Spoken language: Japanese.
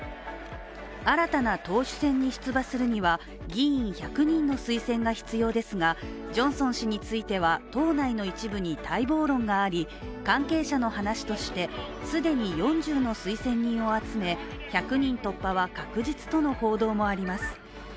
新たな党首選に出馬するには議員１００人の推薦が必要ですがジョンソン氏については党内の一部に待望論があり関係者の話として既に４０の推薦人を集め１００突破は確実との報道もあります。